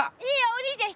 お兄ちゃん